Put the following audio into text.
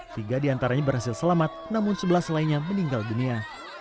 tiga diantaranya berhasil selamat namun sebelah selainnya meninggal dunia